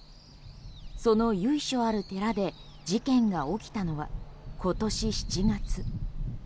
その由緒ある寺で事件が起きたのは今年７月。